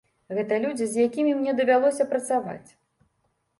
Гэта людзі, з якімі мне давялося працаваць.